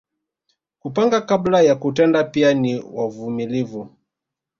Kupanga kabla ya kutenda pia ni wavumilivu